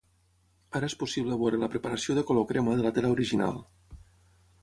Ara és possible veure la preparació de color crema de la tela original.